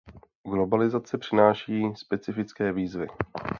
Globalizace přináší specifické výzvy.